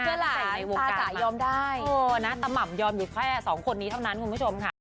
เจ้าหลานตาจะยอมได้โอ้น่ะตะหม่ำยอมอยู่แค่สองคนนี้เท่านั้นคุณผู้ชมค่ะ